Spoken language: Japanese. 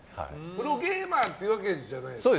プロゲーマーっていうわけじゃないから？